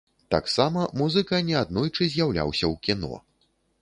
Таксама музыка неаднойчы з'яўляўся ў кіно.